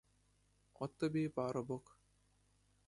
От тобі й парубок!